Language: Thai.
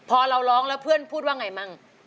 พอเราร้องแล้วเพื่อนพูดว่าไงมั่ง